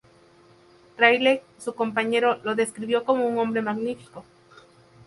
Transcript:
Rayleigh, su compañero, lo describió como un "hombre magnífico".